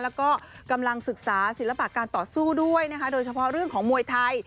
แล้วก็กำลังศึกษาศิลปะการต่อสู้ด้วยนะคะโดยเฉพาะเรื่องของมวยไทย